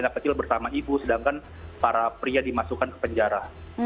anak kecil bersama ibu sedangkan para pria dimasukkan ke penjara